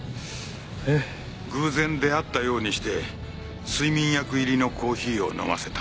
偶然出会ったようにして睡眠薬入りのコーヒーを飲ませた。